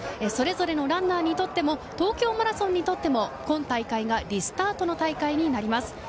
それぞれのランナーにとっても東京マラソンにとっても、今大会がリスタートの大会になります。